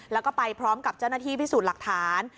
แล้วก็ไปพร้อมกับเจ้าหน้าที่พิสูจน์หลักฐาน